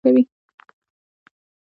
مصنوعي ځیرکتیا د فساد مخنیوي کې مرسته کوي.